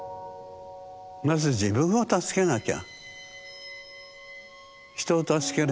まず自分を助けなきゃ。